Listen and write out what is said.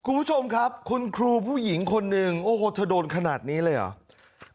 คุณผู้ชมครับคุณครูผู้หญิงคนหนึ่งโอ้โหเธอโดนขนาดนี้เลยเหรอ